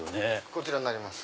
こちらになります。